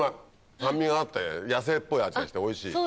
酸味があって野生っぽい味がしておいしい！